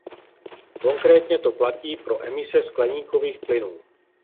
Konkrétně to platí pro emise skleníkových plynů.